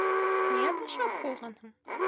Ниңә ташлап ҡуйғанһың?